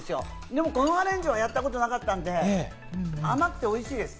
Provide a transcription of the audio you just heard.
でも、このアレンジはやったことなかったんで、甘くておいしいです。